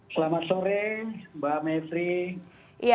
selamat sore mbak mepri